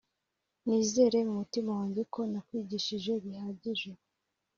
nizere mu mutima wanjye, ko nakwigishije bihagije